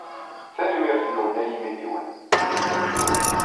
Tanemmirt-nwen a imidiwen.